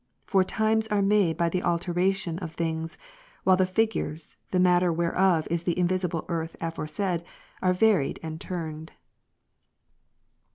For times are made by the alterations of things, while the figures, the matter whereof is the invisible earth aforesaid, are varied and turned.